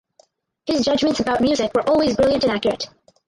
His judgments about music were always brilliant and accurate.